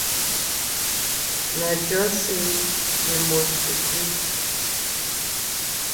Na jus say dey must to gree.